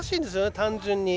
単純に。